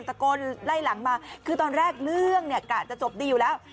ตะโกนไล่หลังมาคือตอนแรกเรื่องเนี่ยกะจะจบดีอยู่แล้ว